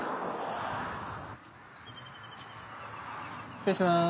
失礼します。